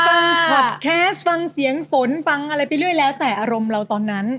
ฟังพอดแคสต์ฟังเสียงฝนฟังอะไรไปเรื่อยแล้วแต่อารมณ์เราตอนนั้น